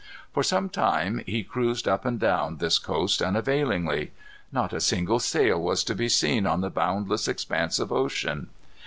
For some time he cruised up and down this coast unavailingly. Not a single sail was to be seen on the boundless expanse of ocean.